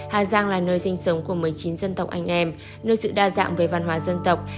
hà giang là nơi sinh sống của một mươi chín dân tộc anh em nơi sự đa dạng về văn hóa dân tộc